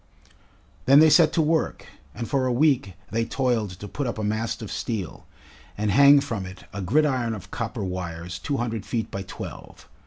Then they set to work, and for a week they toiled to put up a mast of steel, and hang from it a gridiron of copper wires two hundred feet by twelve.